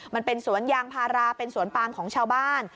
มันเป็นสวนยางพาราเป็นสวนปามของชาวบ้าน